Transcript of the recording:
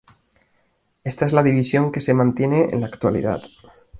Esta es la división que se mantiene en la actualidad.